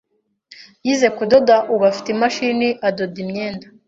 yize kudoda ubu afite imashini adoda imyenda